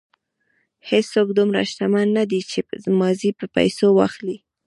هېڅوک دومره شتمن نه دی چې ماضي په پیسو واخلي.